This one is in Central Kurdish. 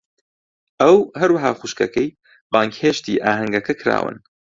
ئەو، هەروەها خوشکەکەی، بانگهێشتی ئاهەنگەکە کراون.